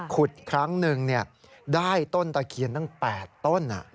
ครั้งหนึ่งได้ต้นตะเคียนตั้ง๘ต้น